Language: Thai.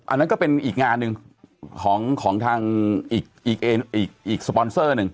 อันนั้นก็เป็นอีกงานหนึ่งของทางอีกสปอนเซอร์หนึ่ง